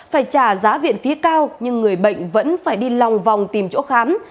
phải trả giá viện phí cao nhưng người bệnh vẫn phải đi lòng vòng tìm chỗ khám